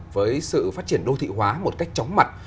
với sự phát triển đô thị hóa một cách chóng mặt